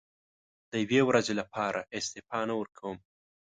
د یوې ورځې لپاره استعفا نه ورکووم.